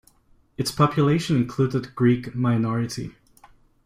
Its population included a Greek minority.